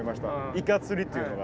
イカ釣りというのが。